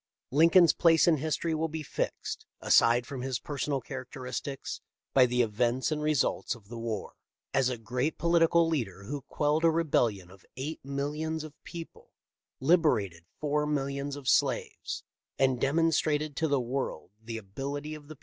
Lincoln's place in history will be fixed — aside from his personal characteristics — by the events and results of the war. As a great political leader who quelled a rebellion of eight millions of people, liberated four millions of slaves, and demonstrated to the world the ability of the.